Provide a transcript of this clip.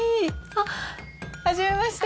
あっはじめまして。